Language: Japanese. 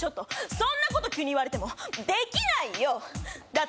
そんなこと急に言われてもできないよっ！！」